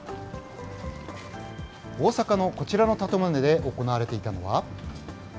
大阪のこちらの建物で行われていたのは。